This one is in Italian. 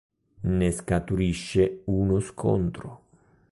Ne scaturisce uno scontro.